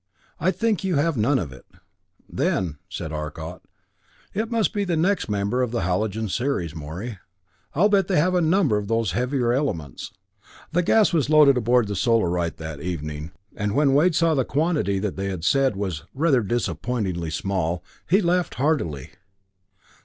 I think you have none of it." "Then," said Arcot, "it must be the next member of the halogen series, Morey. I'll bet they have a number of those heavier elements." The gas was loaded aboard the Solarite that evening, and when Wade saw the quantity that they had said was "rather disappointingly small" he laughed heartily.